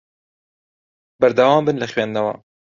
بەردەوام بن لە خوێندنەوە.